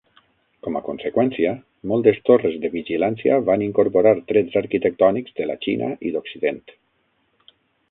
Com a conseqüència, moltes torres de vigilància van incorporar trets arquitectònics de la Xina i d'Occident.